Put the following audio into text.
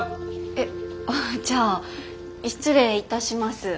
えっ？じゃあ失礼いたします。